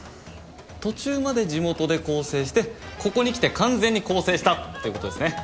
途中まで地元で更生してここに来て完全に更生した！っていうことですね。